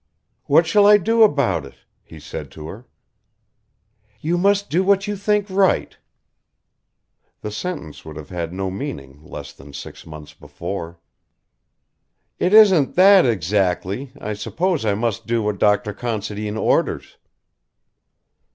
"What shall I do about it?" he said to her. "You must do what you think right." The sentence would have had no meaning less than six months before. "It isn't that exactly, I suppose I must do what Dr. Considine orders."